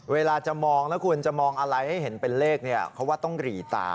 เวลาจะมองนะคุณจะมองอะไรให้เห็นเป็นเลขเนี่ยเขาว่าต้องหรี่ตา